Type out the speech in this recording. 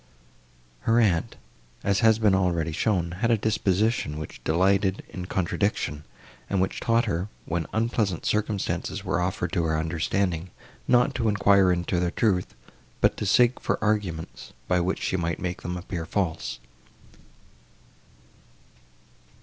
Her aunt, as has been already shown, had a disposition, which delighted in contradiction, and which taught her, when unpleasant circumstances were offered to her understanding, not to enquire into their truth, but to seek for arguments, by which she might make them appear false.